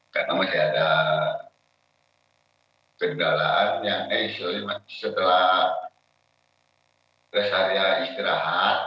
karena masih ada kendalaan yang setelah resahnya istirahat